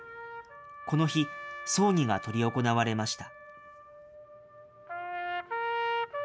この日、葬儀が執り行われました。